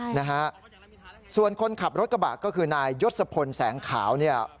นะฮะส่วนคนขับรถกระบะก็คือนายยศพลแสงขาวเนี่ย